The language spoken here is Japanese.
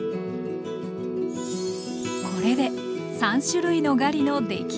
これで３種類のガリの出来上がりです。